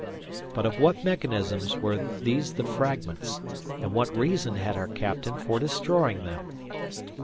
But of what mechanisms were these the fragments, and what reason had our captain for destroying them?